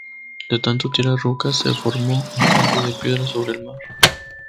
De tanto tirar rocas se formó un campo de piedras sobre el mar.